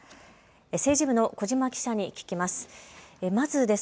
政治部の小嶋記者に聞きます。